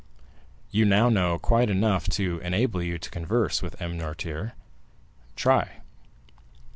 You now know quite enough to enable you to converse with M. Noirtier;—try."